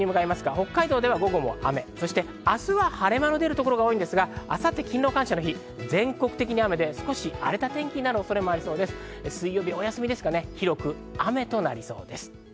北海道は午後も雨、明日は晴れ間の出るところが多いんですが、あさって勤労感謝の日、全国的に雨となって少し荒れた天気となりそうです。